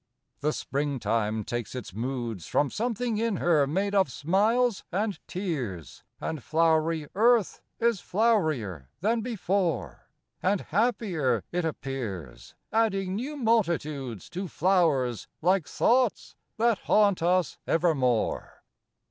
II The springtime takes its moods From something in her made of smiles and tears, And flowery earth is flowerier than before, And happier, it appears, Adding new multitudes To flowers, like thoughts, that haunt us evermore.